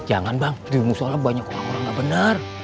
jangan bang di mushollah banyak orang orang gak bener